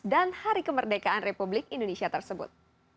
dan hari kemerdekaan republik indonesia tersebut